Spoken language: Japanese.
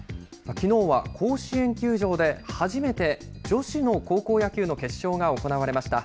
きのうは甲子園球場で初めて女子の高校野球の決勝が行われました。